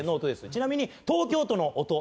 ちなみに東京都の音